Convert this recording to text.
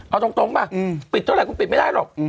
เอาตรงป่ะปิดเท่าไหร่คุณปิดไม่ได้หรอก